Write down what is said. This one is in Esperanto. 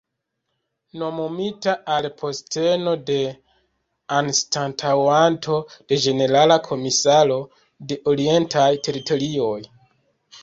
Nomumita al posteno de anstataŭanto de ĝenerala komisaro de Orientaj Teritorioj.